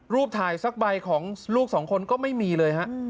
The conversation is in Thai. ถ่ายสักใบของลูกสองคนก็ไม่มีเลยฮะ